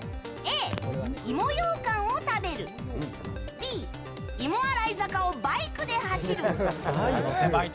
Ａ、芋ようかんを食べるＢ、芋洗坂をバイクで走る。